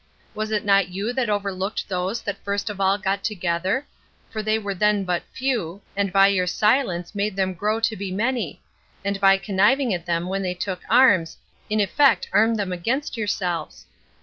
Was it not you that overlooked those that first of all got together, for they were then but a few, and by your silence made them grow to be many; and by conniving at them when they took arms, in effect armed them against yourselves?